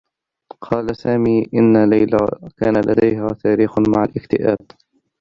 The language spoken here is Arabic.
قال سامي أنّ ليلى كان لديها تاريخ مع الاكتئاب.